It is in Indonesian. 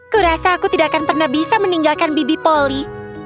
kurasa aku tidak akan pernah bisa meninggalkan bibi polly